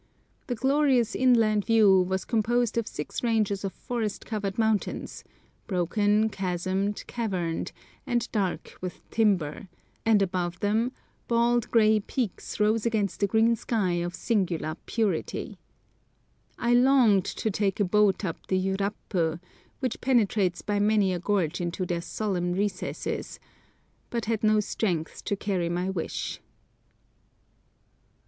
The glorious inland view was composed of six ranges of forest covered mountains, broken, chasmed, caverned, and dark with timber, and above them bald, grey peaks rose against a green sky of singular purity. I longed to take a boat up the Yurapu, which penetrates by many a gorge into their solemn recesses, but had not strength to carry my wish.